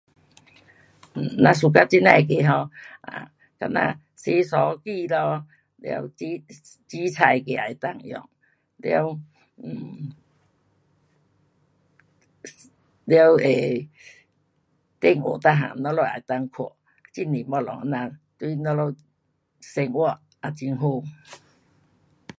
咱 suka 这样那个 um 啊好像洗衣机咯，了煮，煮菜那个也能够用，了 um 了呃，电话每样咱们也能够看，很多东西这样对咱们生活也很好。